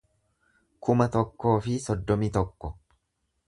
kuma tokkoo fi soddomii tokko